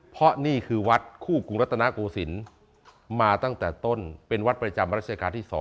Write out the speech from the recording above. เพราะนี่คือวัดคู่กรุงรัฐนาโกศิลป์มาตั้งแต่ต้นเป็นวัดประจำรัชกาลที่๒